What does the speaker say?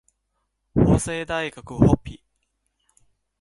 法政大学ホッピー